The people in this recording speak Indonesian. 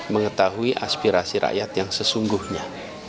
mengetahui aspirasi rakyat yang sesungguhnya